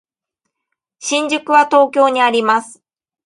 新宿は東京にあります。